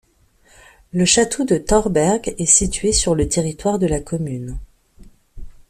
Le château de Thorberg est situé sur le territoire de la commune.